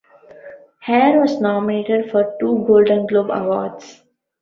"Hair" was nominated for two Golden Globe Awards.